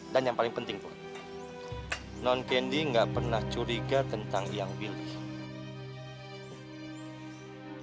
dan yang paling penting tuan non candy gak pernah curiga tentang yang willy